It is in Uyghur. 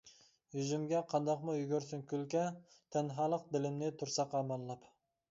يۈزۈمگە قانداقمۇ يۈگۈرسۇن كۈلكە، تەنھالىق دىلىمنى تۇرسا قاماللاپ.